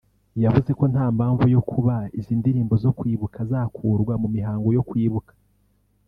yavuze ko nta mpamvu yo kuba izi ndirimbo zo kwibuka zakurwa mu mihango yo kwibuka